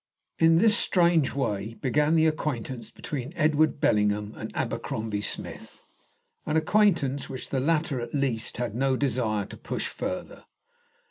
In this strange way began the acquaintance between Edward Bellingham and Abercrombie Smith, an acquaintance which the latter, at least, had no desire to push further.